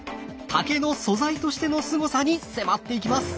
竹の素材としてのすごさに迫っていきます！